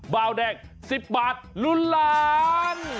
เบาแดง๑๐บาทลุ้นล้าน